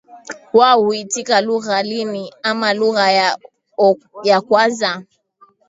wao huikuta lugha ini ama lugha yao yakwanza